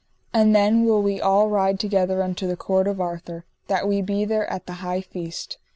And then will we all ride together unto the court of Arthur, that we be there at the high feast.